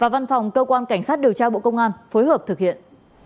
văn phòng cơ quan cảnh sát điều tra bộ công an phối hợp thực hiện